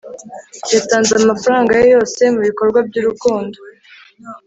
yatanze amafaranga ye yose mubikorwa by'urukundo